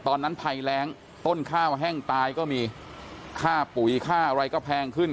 ตอนนั้นภัยแรงต้นข้าวแห้งตายก็มีค่าปุ๋ยค่าอะไรก็แพงขึ้น